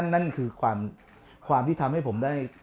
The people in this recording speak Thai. นั่นคือความที่ทำให้ผมได้